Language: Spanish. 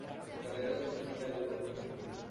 La carrera científica del Prof.